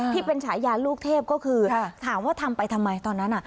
ฉายาลูกเทพก็คือถามว่าทำไปทำไมตอนนั้น